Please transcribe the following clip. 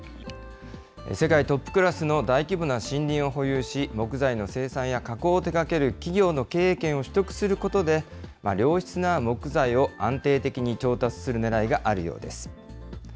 世界トップクラスの大規模な森林を保有し、木材の生産や加工を手がける企業の経営権を取得することで、良質な木材を安定的に調達するねらいがあるようです。